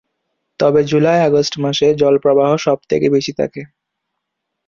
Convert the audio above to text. তবে, July- August মাসে জলপ্রবাহ সব থেকে বেশি থাকে।